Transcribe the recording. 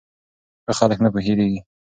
ښه خلک نه هېریږي.